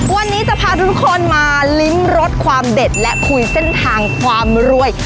วันนี้จะพาทุกคนมาลิ้มรสความเด็ดและคุยเส้นทางความรวย